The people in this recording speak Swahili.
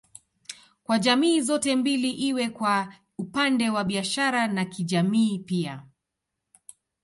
Kwa jamii zote mbili iwe kwa upande wa biashara na kijamii pia